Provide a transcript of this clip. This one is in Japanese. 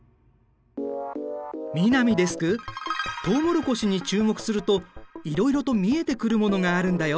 南デスクとうもろこしに注目するといろいろと見えてくるものがあるんだよ。